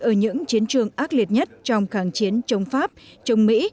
ở những chiến trường ác liệt nhất trong kháng chiến chống pháp chống mỹ